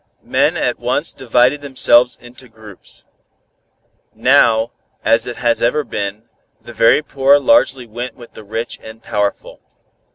Men at once divided themselves into groups. Now, as it has ever been, the very poor largely went with the rich and powerful.